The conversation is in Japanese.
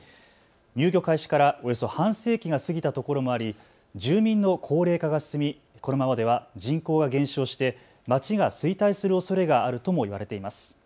入居開始からおよそ半世紀が過ぎたところもあり、住民の高齢化が進み、このままでは人口が減少して街が衰退するおそれがあるともいわれています。